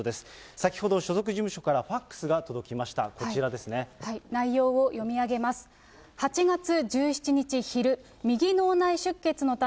先ほど所属事務所からファックスが届きました。